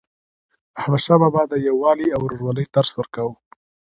احمدشاه بابا د یووالي او ورورولۍ درس ورکاوه.